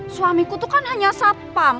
suamiku tuh kan hanya sapang